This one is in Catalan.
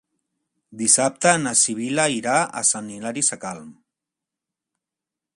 Dissabte na Sibil·la irà a Sant Hilari Sacalm.